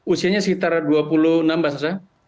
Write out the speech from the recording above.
usianya sekitar dua puluh enam mbak sasa